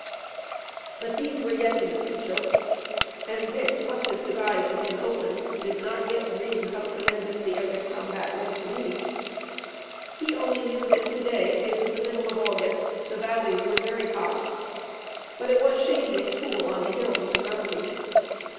But these were yet in the future, and Dick, much as his eyes had been opened, did not yet dream how tremendous the epic combat was to be. He only knew that to day it was the middle of August, the valleys were very hot, but it was shady and cool on the hills and mountains.